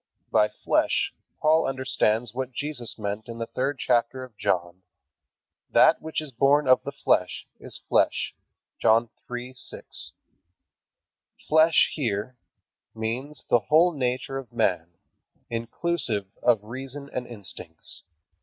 By "flesh" Paul understands what Jesus meant in the third chapter of John, "That which is born of the flesh is flesh". (John 3:6.) "Flesh" here means the whole nature of man, inclusive of reason and instincts.